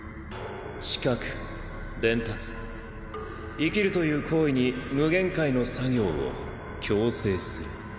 知覚伝達生きるという行為に無限回の作業を強制する。